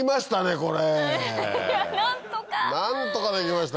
これ？